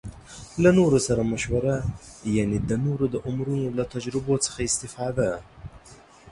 له نورو سره مشوره يعنې د نورو د عمرونو له تجربو څخه استفاده